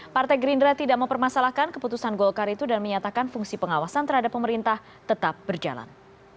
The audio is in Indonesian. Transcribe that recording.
partai gerindra tidak mempermasalahkan keputusan golkar itu dan menyatakan fungsi pengawasan terhadap pemerintah tetap berjalan